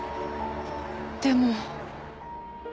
でも。